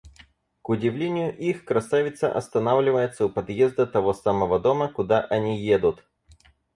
К удивлению их, красавица останавливается у подъезда того самого дома, куда они едут.